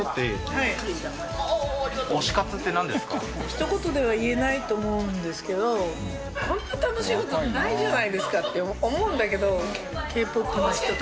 ひと言では言えないと思うんですけどこんな楽しい事ってないじゃないですかって思うんだけど。